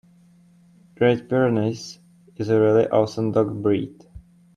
Great Pyrenees is a really awesome dog breed.